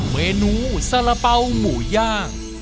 เมนูสารเหล้าหมูย่าง